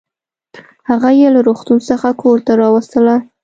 هغه يې له روغتون څخه کورته راوستله